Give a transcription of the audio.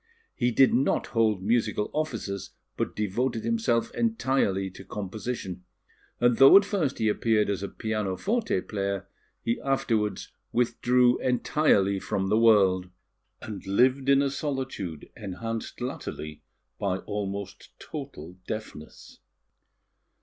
He did not hold musical offices, but devoted himself entirely to composition; and though at first he appeared as a pianoforte player, he afterwards withdrew entirely from the world, and lived in a solitude enhanced latterly by almost total deafness.